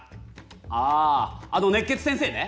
ああの熱血先生ね。